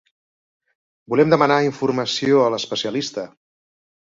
Volem demanar informació a l'especialista.